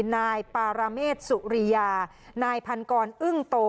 นายปารเมษสุริยานายพันกรอึ้งโต